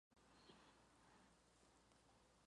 Más tarde se mudó a Francia donde vive ahora.